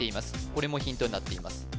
これもヒントになっています